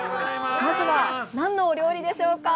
まずは何のお料理でしょうか。